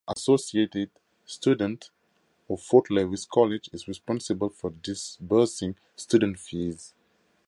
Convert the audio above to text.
The Associated Students of Fort Lewis College is responsible for disbursing student fees.